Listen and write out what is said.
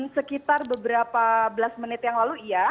sekitar beberapa belas menit yang lalu iya